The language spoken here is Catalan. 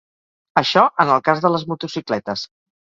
Això, en el cas de les motocicletes.